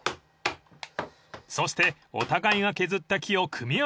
［そしてお互いが削った木を組み合わせましょう］